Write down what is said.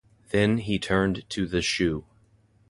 Then he turned to the shoe.